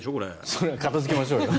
それは片付けましょうよ。